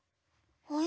あれ？